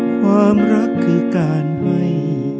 ความรักคือการไว้